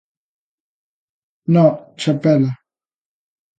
No Chapela.